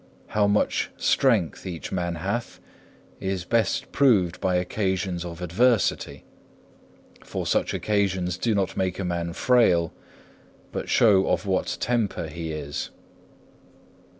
How much strength each man hath is best proved by occasions of adversity: for such occasions do not make a man frail, but show of what temper he is.